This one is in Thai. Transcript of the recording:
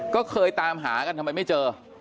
ก็เคยตามหากันทำไมไม่เจอ